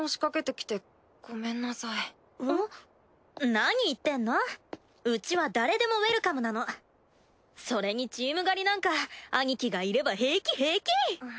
何言ってんのウチは誰でもウエルカムなのそれにチーム狩りなんかアニキがいれば平気。